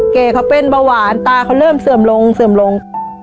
เก๋เขาเป็นบะหวานตาเขาเริ่มเสื่อมลง